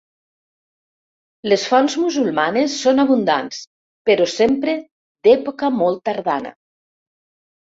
Les fonts musulmanes són abundants, però sempre d'època molt tardana.